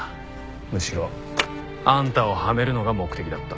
むしろあんたをはめるのが目的だった。